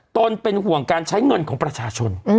เป็นห่วงการใช้เงินของประชาชน